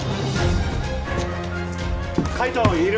海翔いる？